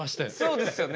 そうですよね。